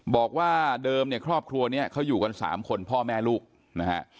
บอกว่าเดิมเนี่ยครอบครัวนี้เขาอยู่กัน๓คนพ่อแม่ลูกนะฮะ